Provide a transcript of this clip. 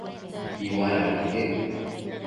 Iuadabi ique